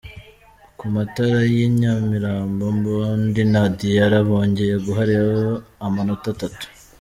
Ku matara y’i Nyamirambo, Mbondi na Diarra bongeye guha Rayon amanota atatu.